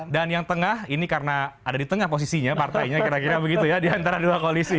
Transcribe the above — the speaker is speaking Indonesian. dan yang tengah ini karena ada di tengah posisinya partainya kira kira begitu ya di antara dua koalisi ini